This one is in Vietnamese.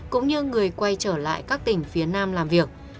cũng như người quay trở lại các tỉnh phía nam làm việc